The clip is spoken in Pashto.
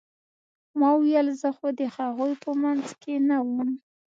ما وويل زه خو د هغوى په منځ کښې نه وم.